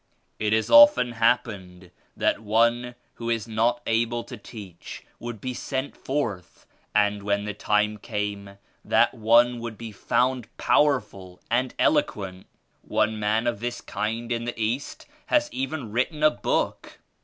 It has often happened that one who is not able to teach would be sent forth and when the time came that one would be found powerful and eloquent. One man of this kind in the East has 15 even written a book.